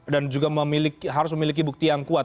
dan juga harus memiliki bukti yang kuat